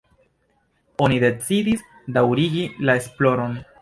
Oni decidis daŭrigi la esploron.